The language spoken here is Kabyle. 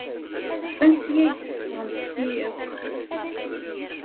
Seg wansi ay d-tesɣamt ti akk?